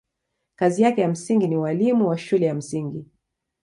Kazi yake ya msingi ni ualimu wa shule ya msingi.